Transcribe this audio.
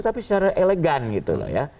tapi secara elegan gitu loh ya